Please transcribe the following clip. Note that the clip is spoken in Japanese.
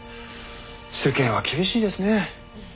世間は厳しいですね。